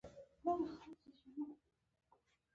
ایا زه باید ماشوم ته د کبانو غوړي ورکړم؟